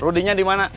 rudy nya di mana